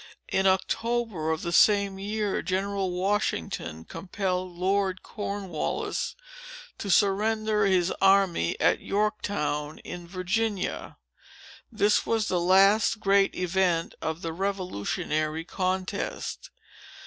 In October, of the same year, General Washington compelled Lord Cornwallis to surrender his army, at Yorktown, in Virginia. This was the last great event of the revolutionary contest.